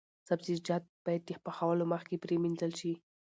سبزیجات باید د پخولو مخکې پریمنځل شي.